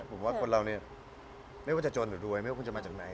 ผมว่าคนเราเนี่ยไม่ว่าจะจนหรือรวยไม่ว่าคุณจะมาจากไหน